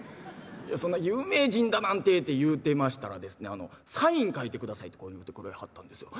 「いやそんな有名人だなんて」て言うてましたらですね「サイン書いてください」てこう言うてくれはったんですよ。